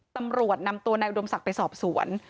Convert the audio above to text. ตำรวจนำตัวนายอุดมศักดิ์ไปสอบสวน